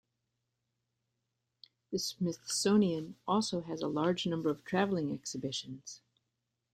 The Smithsonian also has a large number of traveling exhibitions.